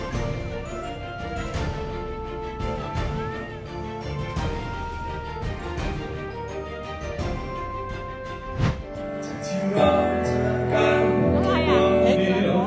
ไม่อยู่ช่วงที่หัวใจมีอะไรอยู่